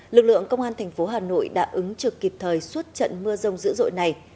lực lượng công an tp hà nội đã ứng trực kịp thời suốt trận mưa rông dữ dội này